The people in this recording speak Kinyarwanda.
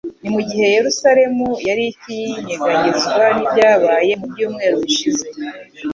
Ni mu gihe Yerusalemu yari ikinyeganyezwa n'ibyabaye mu byumweru bishize,